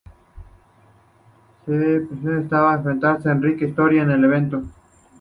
Sean Pierson esperaba enfrentarse a Rick Story en el evento.